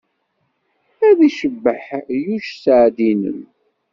Ad icebbeḥ Yuc sseɛd-nnem.